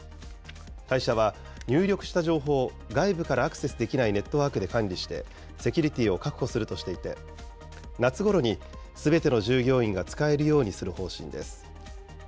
会社は、入力した情報を外部からアクセスできないネットワークで管理して、セキュリティーを確保するとしていて、夏ごろにすべての従業員が使えるようにする方針です。